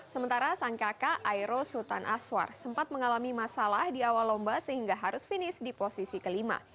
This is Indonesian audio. sementara sang kakak aero sultan aswar sempat mengalami masalah di awal lomba sehingga harus finish di posisi kelima